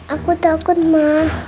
aku takut ma